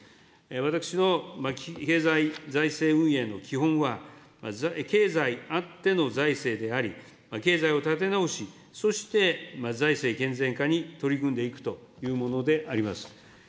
私の経済財政運営の基本は、経済あっての財政であり、経済を立て直し、そして財政健全化に取り組んでいくというものであります。